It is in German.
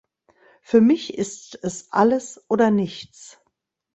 Für mich ist es alles oder nichts.